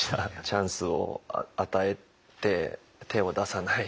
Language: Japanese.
チャンスを与えて手を出さない。